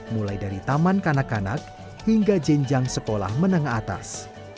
mulai dari taman kanak kanak hingga jenjang sekolah menengah atas